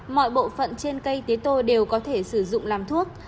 mọi bộ phận trên cây tế tô đều có thể sử dụng làm thuốc